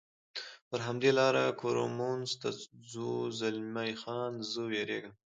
پر همدې لار کورمونز ته ځو، زلمی خان: زه وېرېږم.